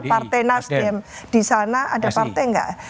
partai nasdem di sana ada partai nggak